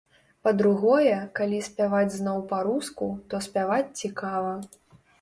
Па-другое, калі спяваць зноў па-руску, то спяваць цікава.